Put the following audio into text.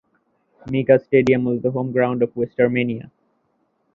Mika Stadium was the home ground of West Armenia.